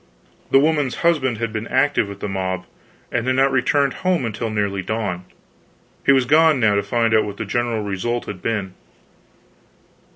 The woman's husband had been active with the mob, and had not returned home until nearly dawn. He was gone now to find out what the general result had been.